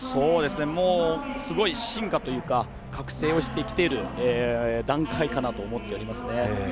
もう、すごい進化というか覚醒をしてきている段階かなと思っております。